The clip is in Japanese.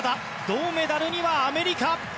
銅メダルにはアメリカ。